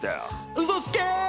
うそつけ！